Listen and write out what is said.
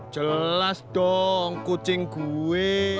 jelas dong kucing gue